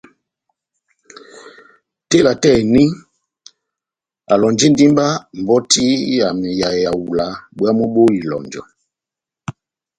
Tela tɛ́h eni elɔ́njindi mba mbɔti yami ya ehawula bwámu bó eloŋjɔ.